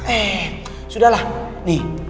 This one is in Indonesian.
eh sudah lah nih